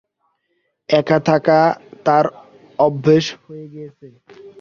একা-থাকা তার অভ্যোস হয়ে গেছে।